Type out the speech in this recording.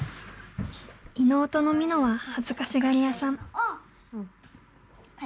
妹のみのは恥ずかしがりやさん。